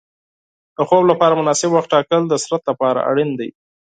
د خوب لپاره مناسب وخت ټاکل د بدن لپاره اړین دي.